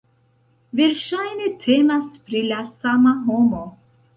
Verŝajne temas pri la sama homo.